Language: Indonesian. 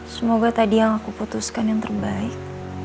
semoga tadi yang aku putuskan yang terbaik